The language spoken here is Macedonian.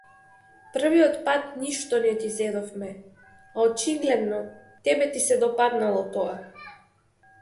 Првиот пат ништо не ти зедовме, а очигледно, тебе ти се допаднало тоа.